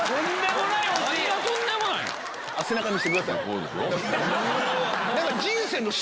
背中見せてください。